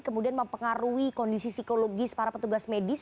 kemudian mempengaruhi kondisi psikologis para petugas medis